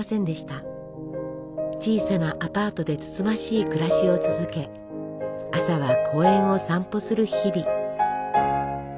小さなアパートでつつましい暮らしを続け朝は公園を散歩する日々。